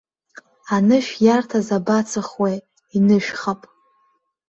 Анышә иарҭаз абацахуеи, инышәхап.